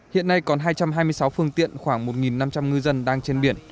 hiện nay còn hai trăm hai mươi sáu phương tiện khoảng một năm trăm linh ngư dân đang trên biển